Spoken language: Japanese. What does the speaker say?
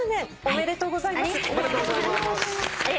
ありがとうございます。